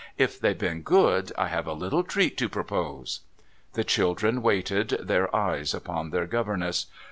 If they've been good I have a little treat to propose." The children waited, their eyes upon their governess.